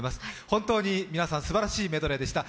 本当に皆さん、すばらしいメドレーでした。